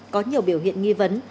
có nhiều biểu hiện nghi vấn